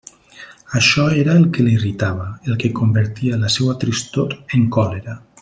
Això era el que l'irritava, el que convertia la seua tristor en còlera.